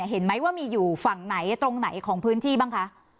เห็นไหมว่ามีอยู่ฝั่งไหนตรงไหนของพื้นที่บ้างคะ